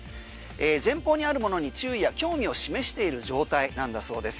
前方にあるものに注意や興味を示している状態なんだそうです。